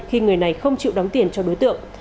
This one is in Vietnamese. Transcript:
khi người này không chịu đóng tiền cho đối tượng